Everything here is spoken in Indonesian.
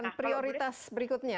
silahkan prioritas berikutnya